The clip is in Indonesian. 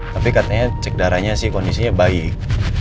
tapi katanya cek darahnya sih kondisinya baik